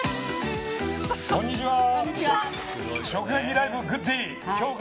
こんにちは。